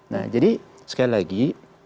nah jadi sekali lagi